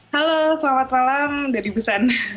halo selamat malam dari busan